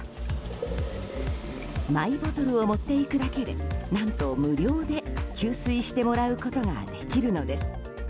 マイボトルを持っていくだけで何と無料で給水してもらうことができるのです。